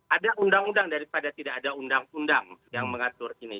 ada undang undang daripada tidak ada undang undang yang mengatur ini